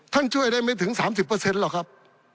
ท่านช่วยได้ไม่ถึงสามสิบเปอร์เซ็นต์หรอกครับ